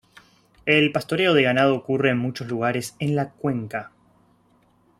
El pastoreo de ganado ocurre en muchos lugares en la cuenca.